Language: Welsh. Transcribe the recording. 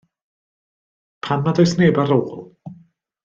Pam nad oes neb ar ôl?